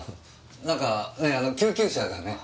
何か救急車がね。